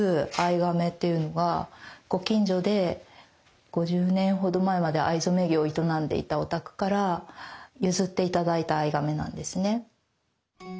がめっていうのはご近所で５０年ほど前まで藍染め業を営んでいたお宅から譲って頂いた藍がめなんですね。